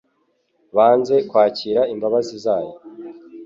banze kwakira imbabazi zayo.